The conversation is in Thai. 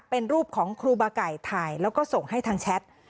เป็นรูปของครูบาไก่ถ่ายแล้วก็ส่งให้ทางแชท